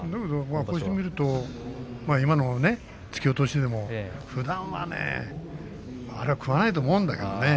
こうしてみると今の突き落としでもふだんは食わないと思うんだけどね。